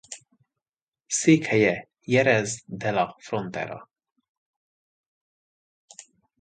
Székhelye Jerez de la Frontera.